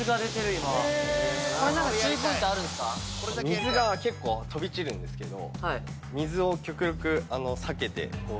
水が結構飛び散るんですけど。